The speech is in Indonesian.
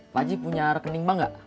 pak aji punya rekening bank gak